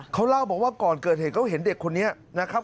เขาเล่าบอกว่าก่อนเกิดเหตุเขาเห็นเด็กคนนี้นะครับ